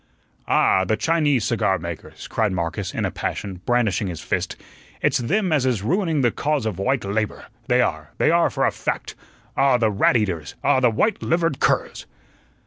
"Ah, the Chinese cigar makers," cried Marcus, in a passion, brandishing his fist. "It's them as is ruining the cause of white labor. They are, they are for a FACT. Ah, the rat eaters! Ah, the white livered curs!"